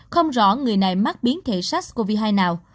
không rõ người này mắc biến thể sars cov hai nào